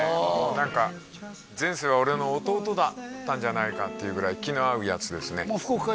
何か前世は俺の弟だったんじゃないかっていうぐらい気の合うヤツですね福岡